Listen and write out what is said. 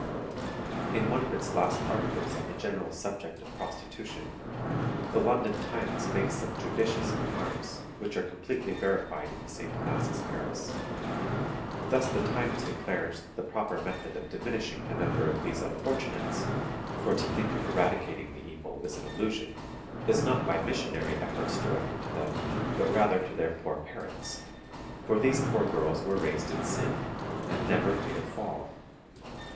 "In one of its last articles on the general subject of prostitution, the London Times makes some judicious remarks which are completely verified in the same class in Paris. Thus the Times declares that the proper method of diminishing the number of these unfortunates (for to think of eradicating the evil is an illusion) is not by missionary efforts directed to them, but rather to their poor parents; for these poor girls were raised in sin, and never made a fall.